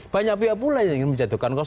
banyak pihak pula yang ingin menjatuhkan